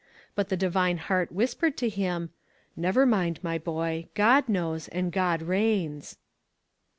But the Divine Heart whispered to him :" Never mind, my boy, God knows, and God reigns."